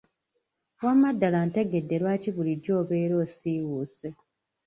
Wamma ddala ntegedde lwaki bulijjo obeera osiiwuuse.